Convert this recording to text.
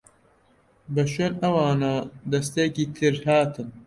بە شوێن ئەوانا دەستەیەکی تر هاتن.